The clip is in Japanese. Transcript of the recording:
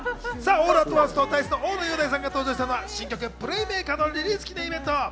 ａｌｌａｔｏｎｃｅとＤａ−ｉＣＥの大野雄大さんが登場したのは、新曲『プレイメーカー』のリリース記念イベント。